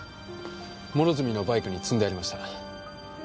諸角のバイクに積んでありました。